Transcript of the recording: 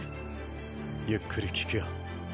ゆっくり聞くよ。